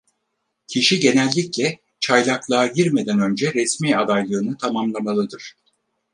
Kişi genellikle, çaylaklığa girmeden önce resmi adaylığını tamamlamalıdır.